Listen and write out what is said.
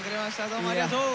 どうもありがとう！